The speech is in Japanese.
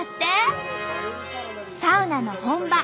サウナの本場